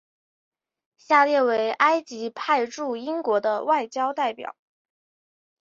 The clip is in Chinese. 下列为埃及派驻英国的外交代表。